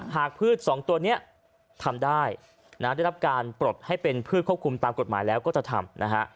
พืชสองตัวนี้ทำได้นะได้รับการปลดให้เป็นพืชควบคุมตามกฎหมายแล้วก็จะทำนะฮะ